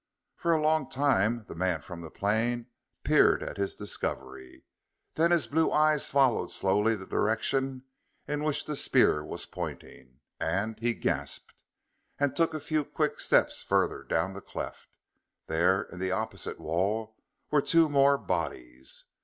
For a long time the man from the plane peered at his discovery. Then his blue eyes followed slowly the direction in which the spear was pointing, and he gasped, and took a few quick steps further down the cleft. There, in the opposite wall, were two more bodies.